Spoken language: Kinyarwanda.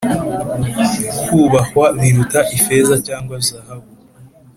kubahwa biruta ifeza cyangwa zahabu